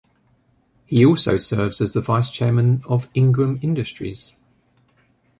He also serves as the Vice Chairman of Ingram Industries.